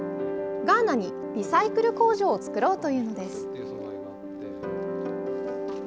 ガーナにリサイクル工場を作ろうというのです。